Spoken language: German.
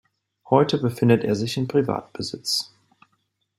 Heute befindet er sich in Privatbesitz.